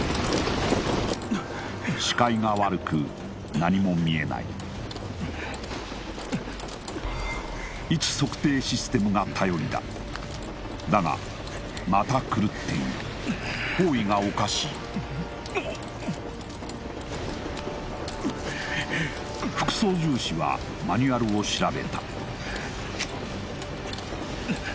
視界が悪く何も見えない位置測定システムが頼りだだがまた狂っている方位がおかしい副操縦士はマニュアルを調べた